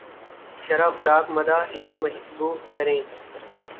شرح فراق مدح لب مشکبو کریں